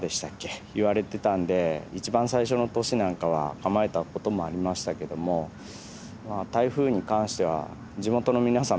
言われてたんで一番最初の年なんかは構えたこともありましたけどもまあ台風に関しては地元の皆さん